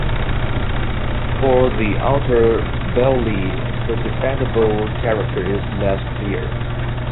For the outer bailey the defendable character is less clear.